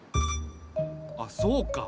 あっそうか。